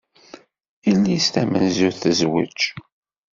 Yelli-s tamenzut tezweǧ.